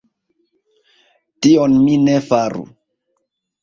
Tion mi ne faru.